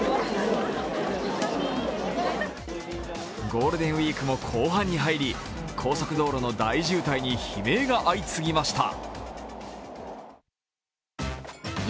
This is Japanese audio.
ゴールデンウイークも後半に入り、高速道路の大渋滞に悲鳴が相次ぎました。